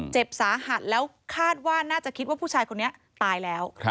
เจ็บสาหัสแล้วคาดว่าน่าจะคิดว่าผู้ชายคนนี้ตายแล้ว